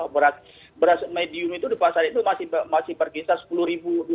beras medium itu di pasar itu masih berkisar sepuluh dua ratus sepuluh dua ratus